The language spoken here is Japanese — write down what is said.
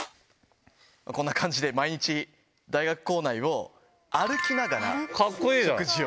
こんな感じで、毎日、大学構内を歩きながら食事を。